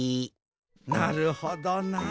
なるほどな。